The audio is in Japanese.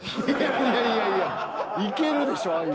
いやいやいやいけるでしょあゆ。